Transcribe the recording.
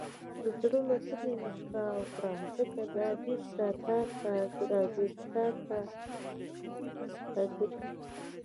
• د زړه له کومې موسکا وکړه، ځکه دا بېرته تا ته راګرځي.